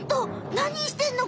なにしてんの？